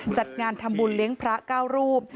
จัดงานทำบุญเลี้ยงพระ๙รูป